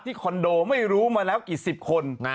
คอนโดไม่รู้มาแล้วกี่สิบคน